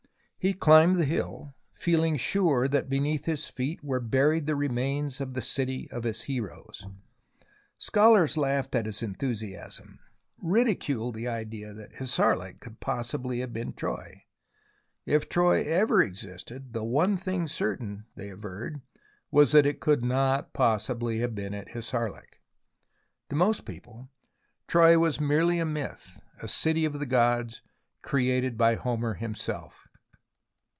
He climbed the hill, feeling sure that beneath his feet were buried the remains of the city of his heroes. Scholars laughed at his enthusiasm, ridiculed the idea that Hissarlik could possibly have been Troy. If Troy ever existed, the one thing certain, they averred, was that it could not possibly have been at HissarHk. To most people Troy was merely a myth, a city of the gods created by Homer himself.